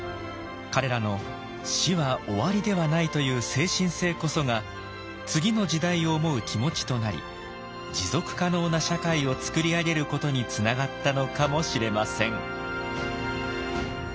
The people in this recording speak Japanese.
彼らの「死は終わりではない」という精神性こそが次の時代を思う気持ちとなり持続可能な社会を作り上げることにつながったのかもしれません。